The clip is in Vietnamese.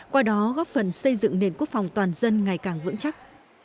qua đó góp phần xây dựng nền quốc phòng toàn dân ngày càng vững chắc